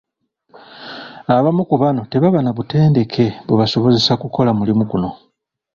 Abamu ku bano tebaba na butendeke bubasobozesa kukola mulimu guno.